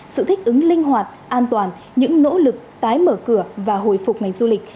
sự thích ứng linh hoạt an toàn những nỗ lực tái mở cửa và hồi phục ngành du lịch